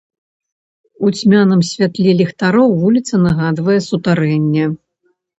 У цьмяным святле ліхтароў вуліца нагадвае сутарэнне.